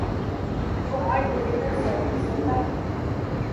وہ آٹھ بجے تک سوتا ہے